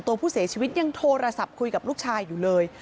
ตัวผู้เสียชีวิตยังโทรศัพท์คุยกับลูกชายอยู่เลย